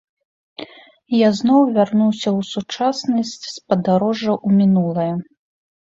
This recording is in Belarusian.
Я зноў вярнуўся ў сучаснасць з падарожжа ў мінулае.